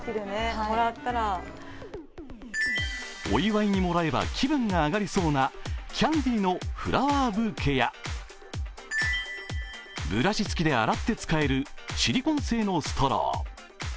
お祝いにもらえば気分が上がりそうなキャンデーのフラワーブーケや、ブラシ付きで洗って使えるシリコン製のストロー。